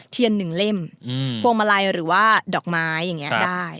หนึ่งเล่มพวงมาลัยหรือว่าดอกไม้อย่างนี้ได้